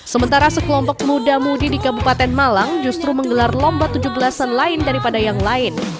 sementara sekelompok muda mudi di kabupaten malang justru menggelar lomba tujuh belas an lain daripada yang lain